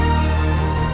dia ternyata ikhlas mohonku